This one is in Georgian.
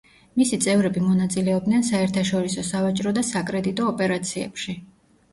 მისი წევრები მონაწილეობდნენ საერთაშორისო სავაჭრო და საკრედიტო ოპერაციებში.